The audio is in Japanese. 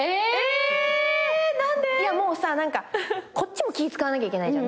いやもうさ何かこっちも気ぃ使わなきゃいけないじゃん。